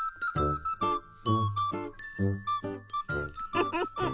フフフフ。